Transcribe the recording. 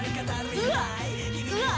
うわっうわっ